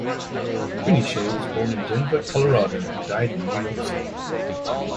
Quinichette was born in Denver, Colorado and died in New York City.